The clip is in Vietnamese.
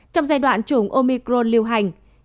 trong giai đoạn chủng omicron lưu hành